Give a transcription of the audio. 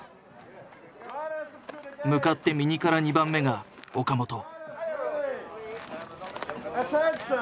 向かって右から２番目が岡本。